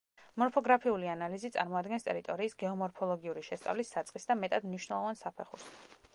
მორფოგრაფიული ანალიზი წარმოადგენს ტერიტორიის გეომორფოლოგიური შესწავლის საწყის და მეტად მნიშვნელოვან საფეხურს.